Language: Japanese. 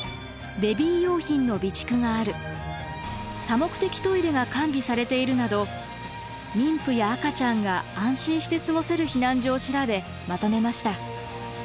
「多目的トイレが完備されている」など妊婦や赤ちゃんが安心して過ごせる避難所を調べまとめました。